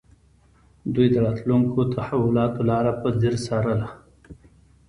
دوی د راتلونکو تحولاتو لاره په ځیر څارله